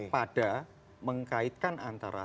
pada mengkaitkan antara